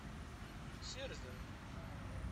Sirdem!